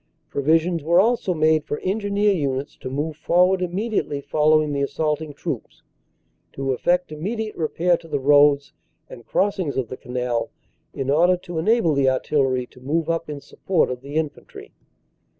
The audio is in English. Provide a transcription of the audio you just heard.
"Provisions were also made for Engineer Units to move forward immediately following the assaulting troops, to effect immediate repair to the roads and crossings of the Canal in order to enable the Artillery to move up in support of the Infantry.